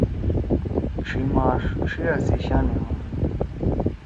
ڇھی ماݜ ڇھیا سی شانے ہودُو۔